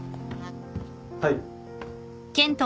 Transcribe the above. はい。